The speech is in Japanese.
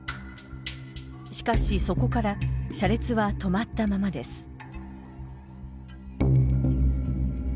しかし、そこから車列は止まったままです。